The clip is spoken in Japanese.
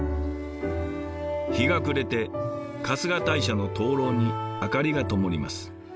日が暮れて春日大社の燈籠に明かりがともります。